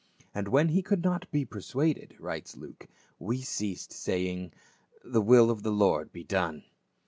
"And when he could not be persuaded," writes Luke, "we ceased, saying, The will of the Lord be done."